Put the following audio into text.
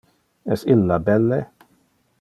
Es illa belle?